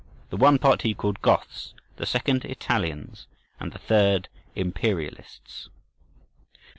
The one part he called "Goths," the second "Italians," and the third "Imperialists."